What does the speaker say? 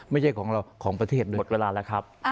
ไม่ใช่ของเราของประเทศด้วย